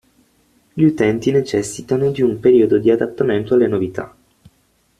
Gli utenti necessitano di un periodo di adattamento alle novità.